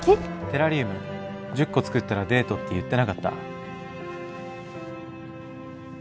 テラリウム１０個作ったらデートって言ってなかった？